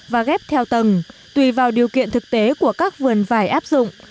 và ghép theo tầng tùy vào điều kiện thực tế của các vườn vải áp dụng